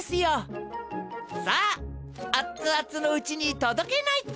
さああっつあつのうちにとどけないと。